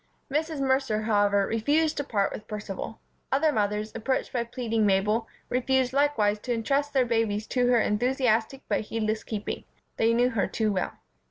Mrs. Mercer, however, refused to part with Percival. Other mothers, approached by pleading Mabel, refused likewise to intrust their babies to her enthusiastic but heedless keeping. They knew her too well.